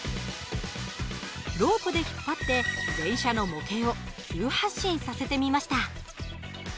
ロープで引っ張って電車の模型を急発進させてみました。